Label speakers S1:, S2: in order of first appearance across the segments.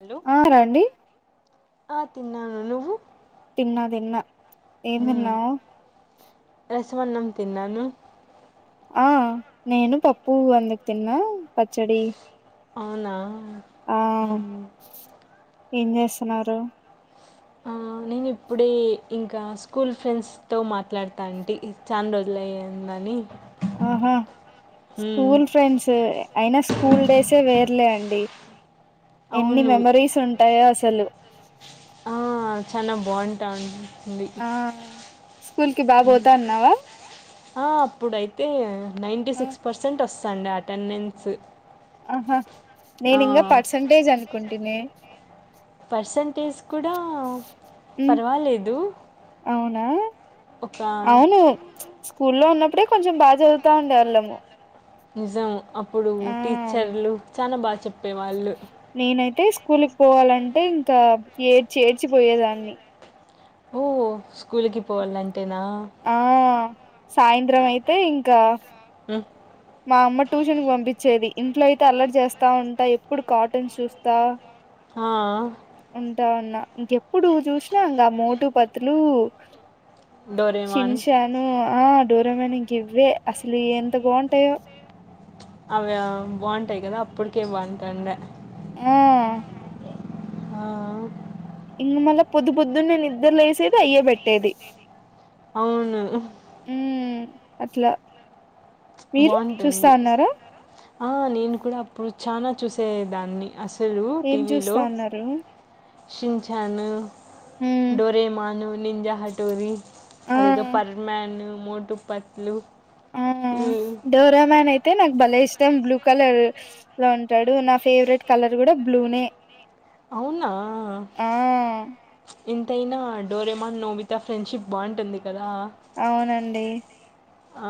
S1: Hello
S2: ఆ రండి
S1: ఆ తిన్నాను నువ్వు
S2: తిన్నా తిన్నా ఏం తిన్నావు
S1: స్మన్నం తిన్నను
S2: ఆ నేను పప్పు అందుకు తిన్నా పచ్చడి
S1: అవునా
S2: ఆ
S1: మ్మ్.
S2: ఏం చేస్తున్నారు
S1: ఆ నేను ఇప్పుడే ఇంకా స్కూల్ ఫ్రెండ్స్తో మాట్లాడతాటి అంటే చాలా రోజుల అయందని
S2: ఆహా స్కూల్ ఫ్రెండ్స్ అయినా స్కూల్ డేసే వేర్లే అండి ఎన్ని
S1: అవును
S2: మెమరీస్ ఉంటాయో అసలు
S1: ఆ చనా బాగుంటావుండి
S2: ఆ స్కూల్ కి బా పోతా అన్నావా
S1: ఆ అప్పుడైతే నైంటీ
S2: ఆ,
S1: సిక్స్ పర్సెంట్ వస్త సంటే అటెండెన్స్
S2: ఆహా
S1: ఆ
S2: నేను ఇంకా పర్సంటేజ్ అనుకుంటునే
S1: పర్సంటేజ్ కూడా పర్వాలేదు
S2: అవునా
S1: ఒక
S2: అవును స్కూల్లో ఉన్న అప్పుడే కొంచెం బాగా చదువుతా ఉండేవాళ్ళము
S1: నిజం అప్పుడు టీచర్లు చాలా బాగా చెప్పే వాళ్ళు
S2: నేనైతే స్కూల్కి పోవాలంటే ఇంకా ఏడ్చి ఏడ్చిపోయేదాన్ని
S1: ఓ స్కూల్కి పోవాలం
S2: ఆ సాయంత్రం అయితే ఇంకా
S1: హ్మ్.
S2: మా అమ్మ ట్యూషన్ కు పంపించేది ఇంట్లో అయితే అల్లరి చేస్తా ఉంటా ఎప్పుడు కాటన్ చూస్తా
S1: ఆ
S2: వున్నా ఇంకెప్పుడు చూసినా ఇంకా మోటుపతులు
S1: డోరేమాన్.
S2: శించన్ డోరెమాన్ గ ఇవ్వే అసలు ఎంతబాగు తే
S1: అవి బాగుంటాయి కదా అప్పటికే బాగుంటాండ
S2: ఆ
S1: ఆ
S2: మల్ల పొద్దు పొద్దున్న నేను నిద్దరు వేసేది అయ్య పెట్టేది
S1: అవును
S2: ఉమ్ అట్లా మీరు చూస్తా
S1: బాగుంటుంది
S2: ఉన్నారా
S1: ఆ నేను కూడా అప్పుడు చనా చూసేదాన్ని అసలు అసలు
S2: ఏం
S1: టీవీలో
S2: చూస్తా ఉన్నారు
S1: షించాను
S2: ఉమ్
S1: డొరేమాను నింజా హటూరి అదేదో
S2: ఆ
S1: పర్మన్ మూటుపట్లు
S2: ఆ డౌరా మ్యాన్ యితే నా భలే ఇష్టం బ్లూ కలర్ లో ఉంటాడు నా ఫేవరెట్ కలర్ కూడా బ్లూనే
S1: అవునా
S2: ఆ
S1: ఇంతైనా డోరేమాన్ నోవితా ఫ్రెండ్షిప్ బాగుంటుంది కదా
S2: అవునండి
S1: ఆ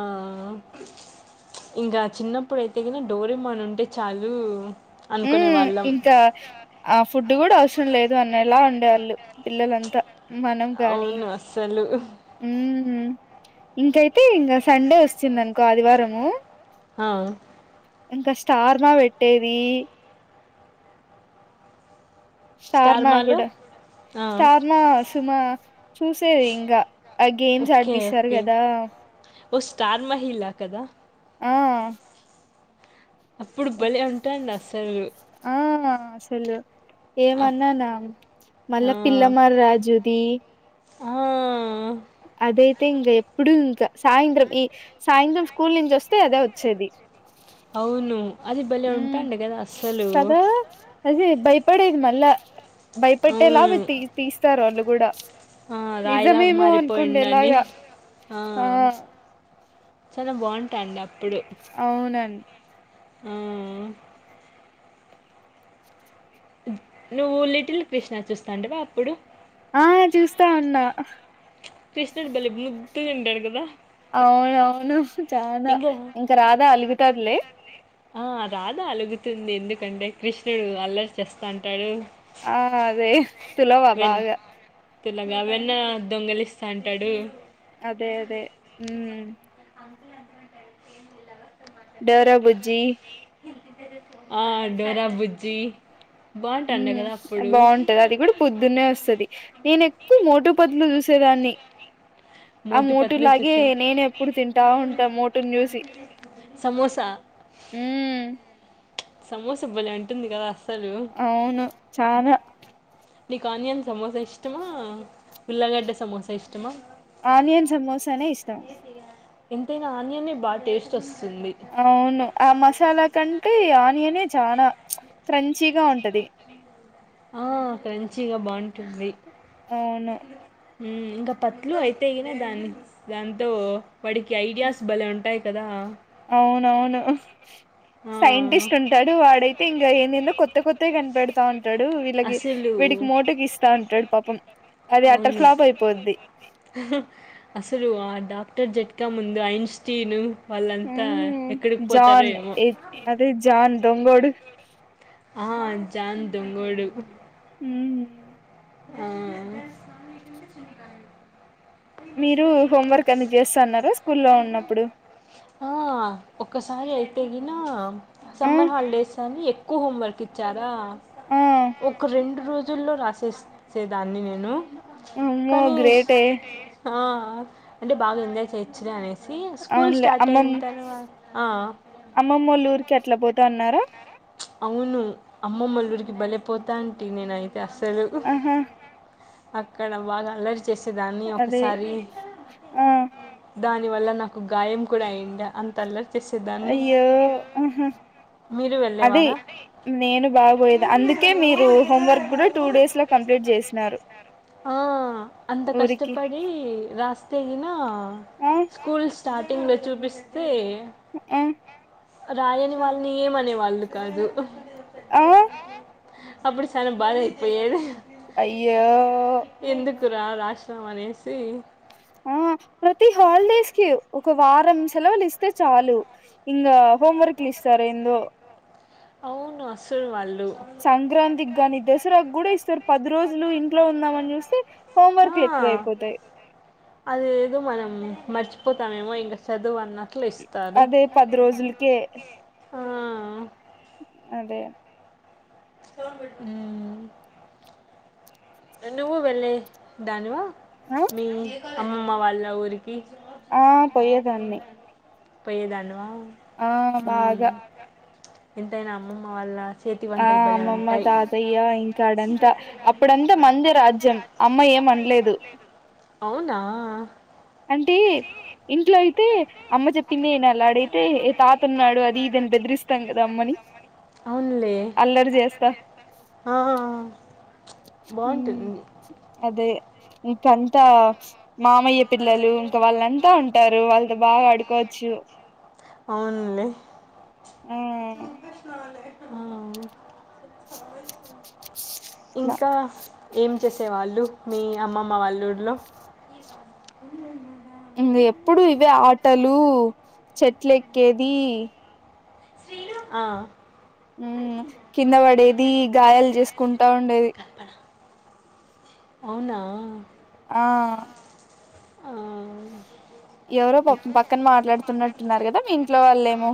S1: ఇంకా చిన్నప్పుడుయితే కనీ డోరమాన్ ఉంటే చాలు
S2: ఉ
S1: అనుకునే వాళ్ళం
S2: ఇంకా ఆ ఫుడ్ కూడా అస లేదు అనేలా ఉండేవాళ్ళు పిల్లలంతా మనం కాగాని
S1: అవును అస్సలు
S2: ఇంకైతే ఇంకా సండే వచ్చిందనుకో ఆదివారము
S1: అ
S2: ఇంకా స్టార్మా పెట్టేది
S1: స్టార్ మాలో
S2: షార్నాగుడు
S1: ఆ
S2: స్టార్ నా సుమా చూసేది ఇంకా ఆ గేమ్స్
S1: ఓకే
S2: ఆడిపిస్తారు
S1: ఓకే
S2: కదా
S1: ఓ స్టార్ మహిలా కదా
S2: ఆ
S1: అప్పుడు బలే ఉంటాను అసలులు
S2: ఆ అసలు ఏమన్నానా
S1: ఆ
S2: మళ్ళా పిల్లమారి రాజుది
S1: ఆ
S2: అదే అతే ఇంక ఎప్పుడు ఇంకా సాయంత్రం ఈ సాయంత్రం స్కూల్ నుంచి వస్తే అదే వచ్చేది
S1: అవును అది భలే
S2: ఉ
S1: ఉంటాండి కదా అస్సలు
S2: సదా అదే భయపడేది మళ్ళా
S1: అవును
S2: భయపట్టేలాగా తీస్తారు వాళ్ళు కూడా
S1: ఆ రాయిలాగా
S2: నిజమేమో
S1: మారిపోయిండ అని
S2: అనుకుండేలాగా
S1: ఆ చాలా బాగుంటా అండి అప్పుడు
S2: అవునండి
S1: ఆ నువ్వు లిటిల్ కృష్ణ చూస్తాంటవా అప్పుడు
S2: ఆ చూస్తా ఉన్నా
S1: కృష్ణుడు బలే ముద్దు ఉండు కదా
S2: అవునవును చనాా ఇంకా రాదా అలుగుతదిలే
S1: ఆ రాధా అలుగుతుంది ఎందుకంటే కృష్ణుడు అల్లరి చేస్తాంటాడు
S2: ఆ అదే సులవా బాగా
S1: తలాగావన్న దొంగలి ఇస్తా అంటాడు
S2: అదే అదే
S1: అ
S2: డోర బుజ్జి
S1: ఆ డరా బుజీ
S2: ఉ బాగుంటది అది కూడా పొద్దున్న వస్తుది నేన ఎక్కువ మోటపదులు చూసేదాన్ని ఆ
S1: మోటు పత్లు
S2: మోటులాగే
S1: చూసా
S2: నేను ఎప్పుడు తింటా ఉంటా మోటును చూసి
S1: సమోస
S2: ఉమ్
S1: సమోస ఇ బ్వలే అంటుంది కదా అస్సలు
S2: అవును చాలా
S1: నీకు ఆనియన్ సమోసా ఇష్టమా ఉల్లగడ్డ సమోసా ఇష్టం
S2: ఆనియన్ సమోసానే ఇష్టం
S1: ఎంతైనా ఆనియనే బాగా టేస్ట్ వస్తుంది
S2: అవును ఆ మసాలా కంటె ఆనియన్ ఏ చానా క్రంచిగా ఉంటది
S1: ఆ క్రంచిగా బాగుంటుంది
S2: అవును
S1: ఇంకా పత్లు అయితే గిన దాంతో వాడికి ఐడియాస్ బలే ఉంటాయి కదా
S2: అవునవును
S1: ఆ,
S2: సైంటిస్ట్ ఉంటాడు వాడైతే ఇంకా ఎందెందో కొత్త కొత్తగా కనిపెడతా ఉన్ ఉంటాడు వీళ్ళకి
S1: అసలు
S2: వీడికి మోటుకి ఇస్తా ఉంటాడు పాపం అది అట్టర్ ఫ్లాప్ అయిపోద్ది
S1: హూ హు అసలు ఆ డాక్టర్ జట్కా ముందు ఐన్స్టీను
S2: ఉమ్ జాన్
S1: ఏమో
S2: ఏ అదే జాన్ దొంగోడు
S1: ఆ జాన్ దొంగోడు
S2: ఉమ్
S1: ఆ
S2: మీరు హోంవర్క్ అన్ని చేస్తన్నార స్కూల్లో ఉన్నప్పుడు
S1: ఆ ఒసారి అయితేగిన
S2: ఆ
S1: సమ్మర్ హాలిడేస్ అని ఎక్ ఎక్కువ హోంవర్క్ ఇచ్చారా
S2: ఆ
S1: ఒక రెండు రోజుల్లో రాసేస్ సే దాన్ని నేను
S2: అమ్మ
S1: కానీ
S2: గ్రేట్ యే
S1: ఆ అంటే బాగా ఎంజాయ్ చేయొచ్చు లే అనేస్ సి స్కూల్
S2: అవునులే
S1: స్టార్ట్
S2: అమ్మమ్
S1: అయిన తర్వాత
S2: కట్లకి పోతా అన్నారా
S1: అవును అమ్మమ్మల్లూరికి బలే పోతంటి నేను అయి తే అసలు
S2: ఆహా
S1: అక్కడ బాగా అలర్ చేసేదాన్ని
S2: అదే
S1: ఒకసారి
S2: ఆ
S1: దాని వల్ల నాకు గాయం కూడా అయ్యండి అంతల్లర్ చేసేదాన్ని
S2: అయ్యో ఆహా
S1: మీరు
S2: అదే
S1: వెళ్ళేవారా
S2: నేను బాగబోయేది అందుకే మీరు హోంవర్క్ కూడా టూ డేస్ లో కంప్లీట్ చేసినారు
S1: ఆ అంత
S2: ఊరికి
S1: కష్టపడి రాస్తేగిన
S2: ఆ
S1: స్కూల్స్ స్టార్టింగ్లో చూపిస్తే
S2: ఉమ్
S1: రాయని వాళ్ళని ఏమనేవాళ్ళు కాదు
S2: ఆ
S1: అప్పుడు సన బాధ అయిపోయేది
S2: ఓహ్
S1: ఎందుకురా రాసినం అనేసి
S2: ఉహ్మ్ ప్రతి హాలిడేస్ కి ఒక వారం సెలవులు ఇస్తే చాలు ఇంకా హోంవర్క్ లు ఇస్తారు ఏందో
S1: అవును అసలు వాల్
S2: సంక్రాంతికి గానీ దసరాకు కూడా ఇస్తారు పది రోజులు ఇంట్లో ఉందమనీ చూస్తే హోంవర్క్ లే ఎకువ అయిపోతాయి
S1: అది ఏదో మనం మే పోతమేమో ఇంకా సదువు అన్నట్
S2: అదే పది రోజులకే
S1: ఆ,
S2: అదే
S1: ఉమ్ నువ్వు వెళ్ళే దానివా మీ అమ్మమ్మ వాళ్ళ ఊరికి
S2: ఆ పోయేదాన్ని
S1: పోయ్యేదానివా
S2: ఆ బాగా
S1: ఎంతైనా అమ్మమ్మ వాళ్ళ చేతి
S2: ఆ
S1: వంటలు భలే
S2: అమ్మమ్మ
S1: ఉంటాయి
S2: తాతయ్య ఇంకాడ అంతా అప్పుడంతా మందే రాజ్యం అమ్మా ఏం అనలేదు
S1: అవునా
S2: అంటే ఇంట్లో అయితే అమ్మ చెప్పిందే ఇనాలి ఆడైతే ఏ తాత ఉన్నాడు అది ఇదని బెదిరిస్తాం కదా అమ్మని
S1: అవునులే
S2: అల్లరి చేస్తాం
S1: ఆ బాగుంటుంది
S2: అదే ఇప్పుడంతా మామయ్య పిల్లలు ఇంక వాళ్ళంతా ఉంటారు వాళ్ళతో బాగా ఆడుకోవచ్చు
S1: అవునులే
S2: ఆ
S1: ఆ
S2: అట్లా
S1: ఇంకా ఏం చేసేవాళ్ళు మీ అమ్మమ్మ వాల్లూర్లో
S2: ఇంగ ఎప్పుడు ఇవే ఆటలు చెట్లు ఎక్కేది
S1: ఆ
S2: మ్మ్ కింద పడేది గాయాలు చేసుకుంటా ఉండేది
S1: అవునా
S2: ఆ
S1: ఆ
S2: ఎవరో పాపం పక్కన మాట్లాడుతున్నట్టున్నారు కదా మీ ఇంట్లో వాళ్ళేమో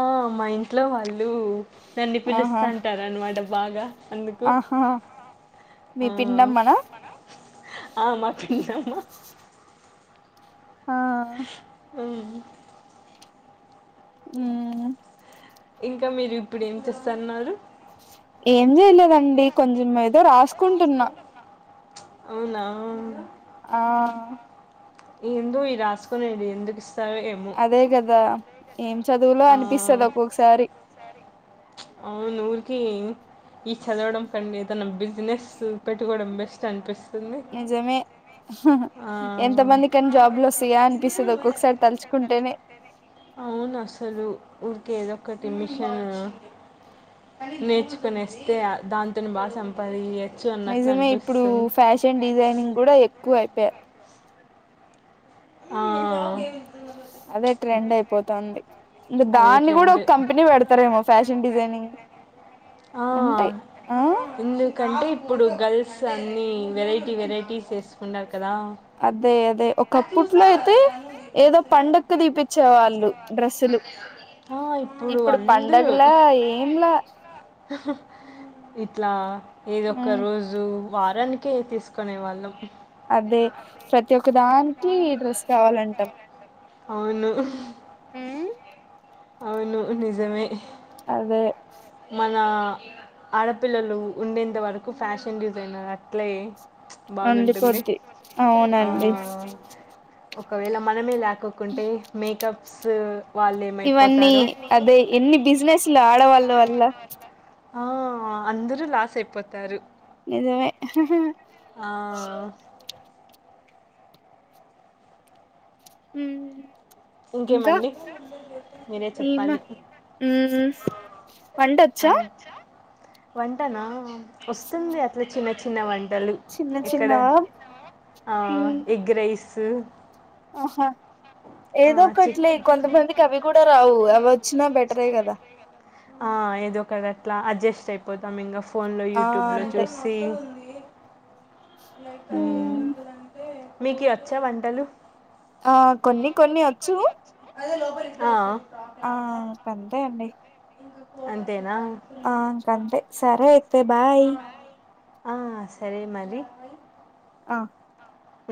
S1: ఆ మా ఇంట్లో వాళ్ళు లు నన్ను
S2: ఆహా
S1: పిలుస్తాంటరనమాట బాగా అందుకు
S2: ఆహా మీ
S1: ఆ
S2: పిన్నమ్మనా
S1: ఆ పిన్నమ్మ
S2: ఆ
S1: హ్మ్మ్
S2: మ్మ్
S1: ఇంకా మీరు ఇప్పుడు ఏం చేస్తన్నారు
S2: ఏం చేయలేదండి కొంచెం ఏదో రాసుకుంటున్నా
S1: అవునా
S2: ఆ
S1: ఏందో ఈ రాసుకునేది ఎందుకు ఇస్
S2: అదే కదా ఏం చదువులో
S1: ఆ!
S2: అనిపిస్తది ఒక్కొక్కసారి
S1: కి ఈ చదవడం కన్నా ఏదైనా బిజినెస్ పెట్టుకోవడం బెస్ట్ అనిపిస్ స్తుంది
S2: నిజమే ఎంత మంది కని జాబ్లు వస్తాయా అనిపిస్తది ఒక్కొక్కసారి తలుచుకుంటేనే
S1: అవునసలు ఊరకె ఏదో ఒకటిమిషన్ నేర్చుకునేస్తే దాంతోని బాగా సంపాదియ్య
S2: నిజమే ఇప్పుడు ఫ్యాషన్ డిజైనింగ్ కూడా ఎక్కువయిపా
S1: ఆ
S2: అదే ట్రెండ్ అయిపోతాంది
S1: అవే
S2: దాన్ని కూడా
S1: ట్రెండ్
S2: ఒక కంపెనీ పెడతారేమో ఫ్యాష శన్ డిజైనింగ్
S1: ఆ
S2: ఉంటాయి ఆ
S1: ఎందుకంటే ఇప్పుడు గర్ల్స్ అన్నీ వెరైటీ వెరైటీస్ వేసుకున్నారు
S2: అదే అదే ఒకప్పుట్లో అయితే ఏదో పండక్కు తీపిచ్చే వాళ్ళు డ్రెస్సులు
S1: ఆ
S2: ఇప్పుడు
S1: అందరూ
S2: పండగలే ఏంలే
S1: ఇట్లా ఏది ఒక్క రోజు వారాని కే తీసుకునేవాళ్ళం
S2: దే ప్రతి ఒక్క దానికీ, డ్రెస్ కావాలంటాం.
S1: అవును.
S2: ఉమ్.
S1: అవును నిజమే.
S2: అదే.
S1: మన, ఆడపిల్లలు ఉండేంత వరకు, ఫ్యాషన్ డిజైనర్ అట్లే. బాగుంటుంది
S2: ఉండిపోది,
S1: ఆ,
S2: అవునండి.
S1: ఒకవేళ మనమే లకోకుంటే, మేకపస్సు.
S2: ఇవన్నీ అదే, ఎన్ని బిజినెస్లు ఆడవాళ్ళ వల్ల.
S1: ఆ అందరూ లాస్ అయిపోతారు.
S2: నిజమే.
S1: ఆ.
S2: ఉమ్.
S1: ఇంకేమండి. మీరే
S2: ఈమా
S1: చెప్పాలి
S2: ఉమ్ వండోచ్చా.
S1: ఆ. వంటనా వొస్తుంది, అట్లా చిన్న చిన్న వం. టలు
S2: చిన్న
S1: ఎక్కడ
S2: చిన్నవా
S1: ఆ
S2: ఉమ్
S1: ఎగ్ రైసు.
S2: హా. ఏదో
S1: చిక్
S2: ఒకట్లే, కొంతమందికి అవి కూడా రావు, అవి వొచ్చినా, బెటరే గదా.
S1: ఆ ఏదో ఒక అట్లా, అడ్జస్ట్ అయిపోతాం, ఇంగ. ఫోన్లో
S2: ఆ
S1: యూట్యూబ్లో
S2: అంతే
S1: చూసి. ఉమ్ మీకీ అచ్చా, వంటలు.
S2: ఆ కొన్ని కొన్ని అచ్చు.
S1: ఆ.
S2: ఆ పడయ్ అండి.
S1: అంతేనా
S2: ఆ ఇంకంతే, సరే అయితే బాయ్.
S1: ఆ సరే మరి.
S2: అ.